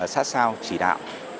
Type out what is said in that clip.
sát sao chỉ đạo